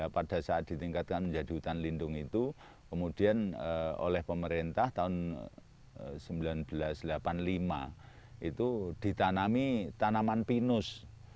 pada saat ditingkatkan menjadi hutan lindung itu kemudian oleh pemerintah tahun seribu sembilan ratus delapan puluh lima itu ditanami tanaman pinus